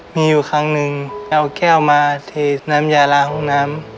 มีอยู่ครั้งหนึ่งเอาแก้วมาเทน้ำยาล้างห้องน้ำ